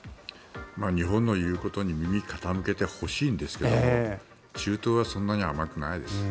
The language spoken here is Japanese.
日本の言うことに耳を傾けてほしいんですけど中東はそんなに甘くないです。